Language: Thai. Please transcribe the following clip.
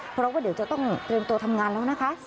เพราะว่าเดี๋ยวจะต้องเตรียมตัวทำงานแล้วนะคะ